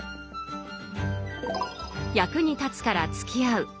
役に立つからつきあう